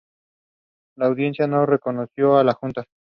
La Audiencia no reconoció a la Junta.